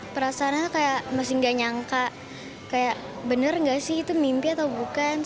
perasaannya kayak masih gak nyangka kayak bener nggak sih itu mimpi atau bukan